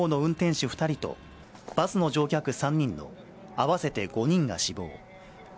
この事故で双方の運転手２人と、バスの乗客３人の合わせて５人が死亡。